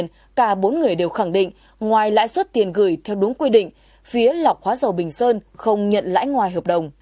ngoài lãi suất tiền gửi theo đúng quy định phía lọc hóa dầu bình sơn không nhận lãi ngoài hợp đồng